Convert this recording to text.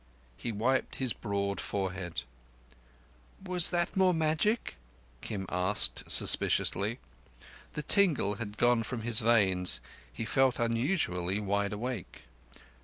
He wiped his broad forehead. "Was that more magic?" Kim asked suspiciously. The tingle had gone from his veins; he felt unusually wide awake.